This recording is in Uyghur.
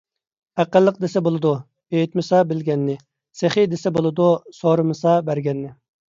ئەقىللىق دېسە بولىدۇ، ئېيتمىسا بىلگەننى؛ سېخىي دېسە بولىدۇ، سورىمىسا بەرگەننى.